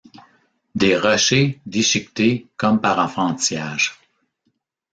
Des rochers déchiquetés comme par enfantillage.